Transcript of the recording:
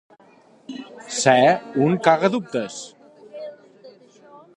Ser un cagadubtes.